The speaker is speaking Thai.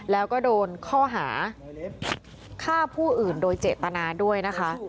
แล้วก็โดนข้อหาฆ่าผู้อื่นโดยเจตนาด้วยนะคะ